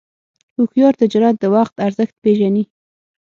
هوښیار تجارت د وخت ارزښت پېژني.